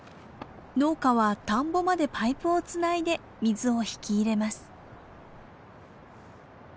農家は田んぼまでパイプをつないで水を引き入れます。